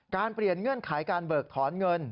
เปลี่ยนเงื่อนไขการเบิกถอนเงิน